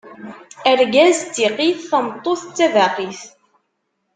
Argaz d tiqqit, tameṭṭut d tabaqit.